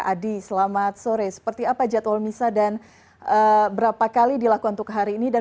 adi selamat sore seperti apa jadwal misa dan berapa kali dilakukan